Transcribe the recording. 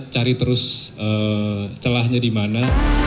cari terus celahnya dimana